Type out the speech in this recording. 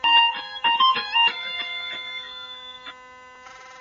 草原侧颈龟是南美侧颈龟属下的一种龟。